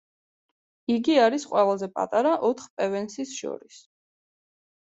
იგი არის ყველაზე პატარა ოთხ პევენსის შორის.